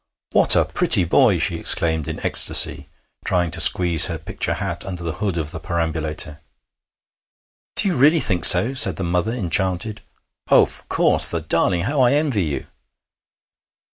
'What a pretty boy!' she exclaimed in ecstasy, trying to squeeze her picture hat under the hood of the perambulator. 'Do you really think so?' said the mother, enchanted. 'Of course! The darling! How I envy you!'